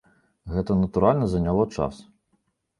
Гэта, натуральна, заняло час.